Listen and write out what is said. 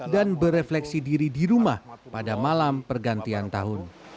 dan berefleksi diri di rumah pada malam pergantian tahun